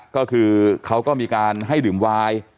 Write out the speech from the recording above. ก็คือเขาก็มีการให้ดื่มวาย